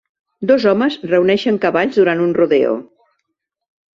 Dos homes reuneixen cavalls durant un rodeo.